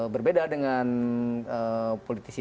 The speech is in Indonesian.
berbeda dengan politisi